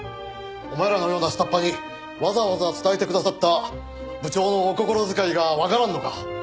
お前らのような下っ端にわざわざ伝えてくださった部長のお心遣いがわからんのか？